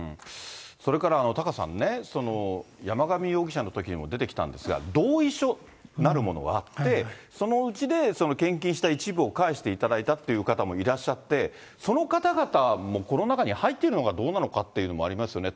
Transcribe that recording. それからタカさんね、山上容疑者のときにも出てきたんですが、同意書なるものがあって、そのうちでその献金した一部を返していただいたという方もいらっしゃって、その方々もこの中に入っているのかどうなのかということもありますよね。